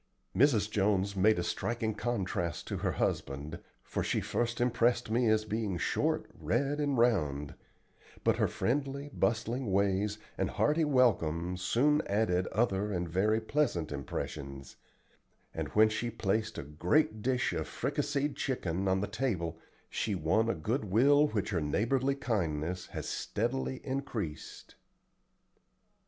Mrs. Jones made a striking contrast to her husband, for she first impressed me as being short, red, and round; but her friendly, bustling ways and hearty welcome soon added other and very pleasant impressions; and when she placed a great dish of fricasseed chicken on the table she won a good will which her neighborly kindness has steadily increased.